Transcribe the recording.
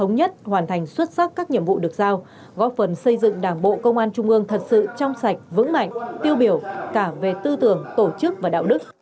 hoàn thành xuất sắc các nhiệm vụ được giao góp phần xây dựng đảng bộ công an trung ương thật sự trong sạch vững mạnh tiêu biểu cả về tư tưởng tổ chức và đạo đức